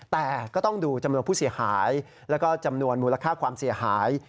แต่ก็ต้องดูจำนวนผู้เสียหายแล้วก็จำนวนมูลค่าความเสียหาย